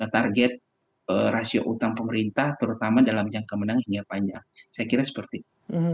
target rasio utang pemerintah terutama dalam jangka menang hingga panjang saya kira seperti itu